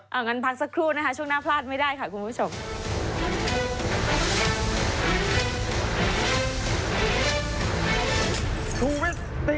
หลังกันพักสักครู่นะคะ